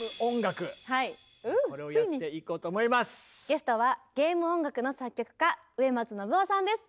ゲストはゲーム音楽の作曲家植松伸夫さんです。